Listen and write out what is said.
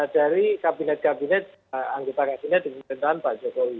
dari kabinet kabinet anggota kabinet di pemerintahan pak jokowi